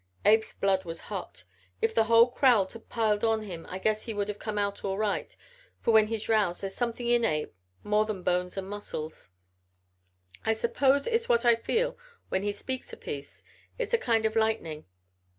Abe's blood was hot. If the whole crowd had piled on him I guess he would have come out all right, for when he's roused there's something in Abe more than bones and muscles. I suppose it's what I feel when he speaks a piece. It's a kind of lightning.